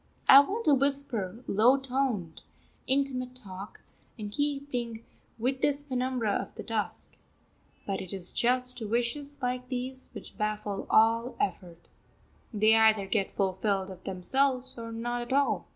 I want to whisper low toned, intimate talk, in keeping with this penumbra of the dusk. But it is just wishes like these which baffle all effort. They either get fulfilled of themselves, or not at all.